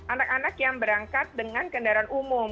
anak anak yang berangkat dengan kendaraan umum